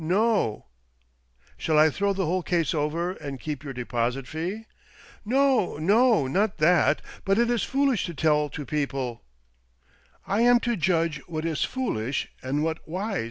No !"" Shall I throw the whole case over, and keep your deposit fee? "" No — no, not that. But it is foolish to tell to people :"" I am to judge what is foolish and what wise, M.